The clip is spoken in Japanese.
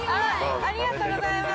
ありがとうございます。